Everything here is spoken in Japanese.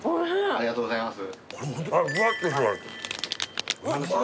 ありがとうございます。